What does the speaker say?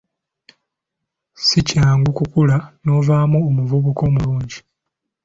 Si kyangu kukula novaamu omuvubuka omulungi.